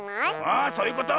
あそういうこと！